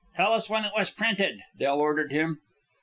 "Tell us when it was printed," Del ordered him.